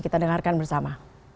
kita dengarkan bersama